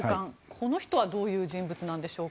この人はどういう人物なのでしょうか。